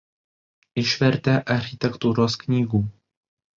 Išvertė architektūros knygų.